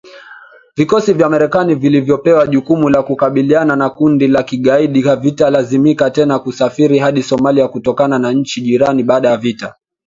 Vikosi vya Marekani vilivyopewa jukumu la kukabiliana na kundi la kigaidi havitalazimika tena kusafiri hadi Somalia kutoka nchi jirani baada ya maafisa